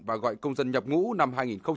và gọi công dân nhập ngũ năm hai nghìn một mươi sáu